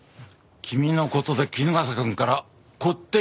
君の事で衣笠くんからこってり油絞られたよ。